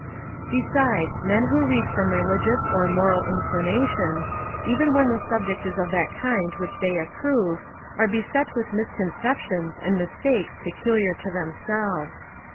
Besides, men who read from religious or moral inclinations, even when the subject is of that kind which they approve, are beset with misconceptions and mistakes peculiar to themselves.